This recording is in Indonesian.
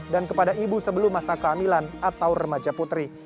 dan kepada ibu sebelum masa kehamilan atau remaja putri